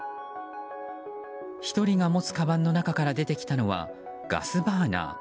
１人が持つかばんの中から出てきたのはガスバーナー。